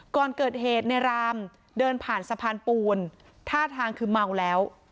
ก่อนเกิดเหตุในรามเดินผ่านสะพานปูนท่าทางคือเมาแล้ว